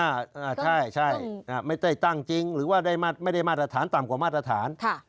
อ่าใช่ไม่ได้ตั้งจริงหรือว่าได้ไม่ได้มาตรฐานต่ำกว่ามาตรฐาน